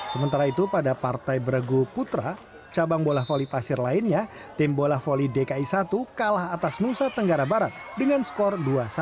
sementara itu pada partai beregu putra cabang bola voli pasir lainnya tim bola voli dki satu kalah atas nusa tenggara barat dengan skor dua satu